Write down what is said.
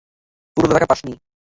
পুরো টাকাটা পাসনি।